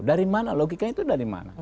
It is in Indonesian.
dari mana logika itu dari mana